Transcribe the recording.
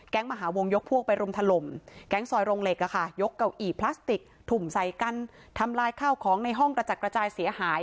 มหาวงยกพวกไปรุมถล่มแก๊งซอยโรงเหล็กยกเก้าอี้พลาสติกถุ่มใส่กันทำลายข้าวของในห้องกระจัดกระจายเสียหาย